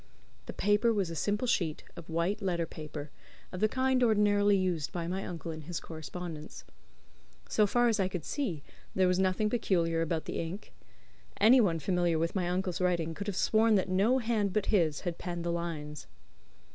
The paper was a simple sheet of white letter paper, of the kind ordinarily used by my uncle in his correspondence. So far as I could see, there was nothing peculiar about the ink. Anyone familiar with my uncle's writing could have sworn that no hand but his had penned the lines.